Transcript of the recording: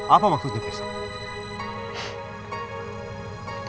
apa maksudnya besok